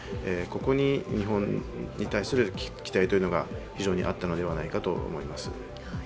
ここに日本に対する期待というのが非常にあったのではないかと思います。